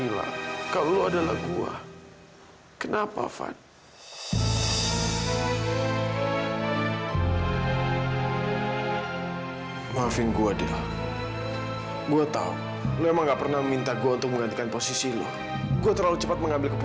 sampai jumpa di video selanjutnya